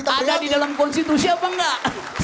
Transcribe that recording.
ada di dalam konstitusi apa enggak